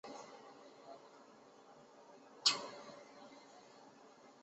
浙江乡试第七十五名。